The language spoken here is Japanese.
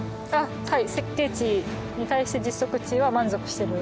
はい。